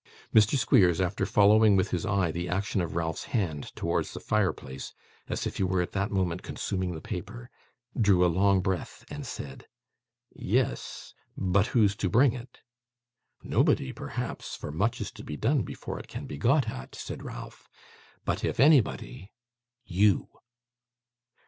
Mr. Squeers, after following with his eye the action of Ralph's hand towards the fire place as if he were at that moment consuming the paper, drew a long breath, and said: 'Yes; but who's to bring it?' 'Nobody, perhaps, for much is to be done before it can be got at,' said Ralph. 'But if anybody you!